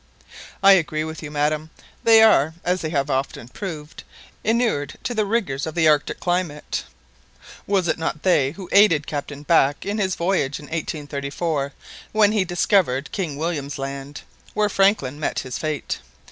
"I agree with you, madam; they are, as they have often proved, inured to the rigours of the Arctic climate. Was it not they who aided Captain Back in his voyage in 1834, when he discovered King William's Land, where Franklin met his fate?